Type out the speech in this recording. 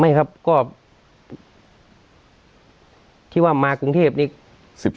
ไม่ครับก็ที่ว่ามากรุงเทพนี่๑๓